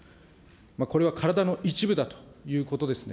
これは体の一部だということですね。